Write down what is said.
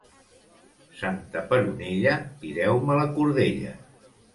Santa Peronella, tireu-me la cordella.